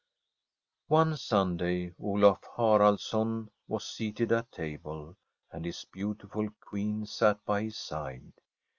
One Sunday Olaf Haraldsson was seated at table, and his beautiful Queen sat by his side.